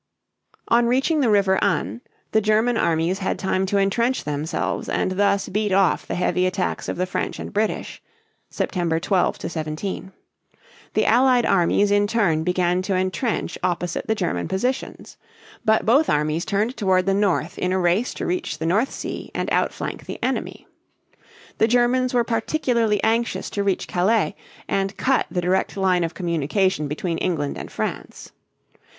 On reaching the river Aisne (ân) the German armies had time to entrench themselves and thus beat off the heavy attacks of the French and British (September 12 17). The Allied armies in turn began to entrench opposite the German positions. But both armies turned toward the north in a race to reach the North Sea and outflank the enemy. The Germans were particularly anxious to reach Calais (ca lĕ´) and cut the direct line of communication between England and France.